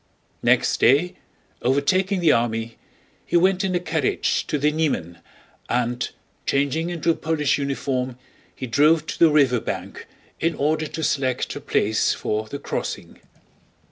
Next day, overtaking the army, he went in a carriage to the Niemen, and, changing into a Polish uniform, he drove to the riverbank in order to select a place for the crossing.